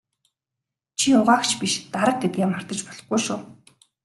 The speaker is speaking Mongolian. Чи угаагч биш дарга гэдгээ мартаж болохгүй шүү.